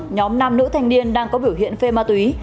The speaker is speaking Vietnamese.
nhóm nam nữ thanh niên đang có biểu hiện phê ma túy